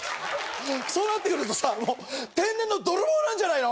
そうなってくるとさもう天然の泥棒なんじゃないの？